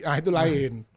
ah itu lain